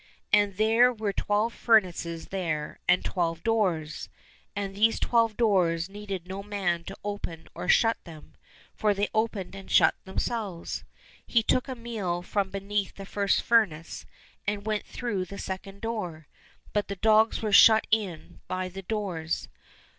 And there were twelve furnaces there and twelve doors, and these twelve doors needed no man to open or shut them, for they opened and shut themselves. He took meal from beneath the first furnace and went through the second door, but the dogs were shut in by the doors.